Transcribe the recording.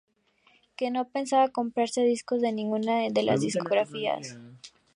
que no pensaba comprarse discos de ninguna de las discográficas